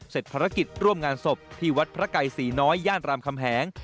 ภารกิจร่วมงานศพที่วัดพระไกรศรีน้อยย่านรามคำแหง